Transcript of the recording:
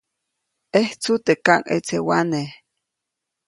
ʼẼjtsuʼt teʼ kaŋʼetsewane.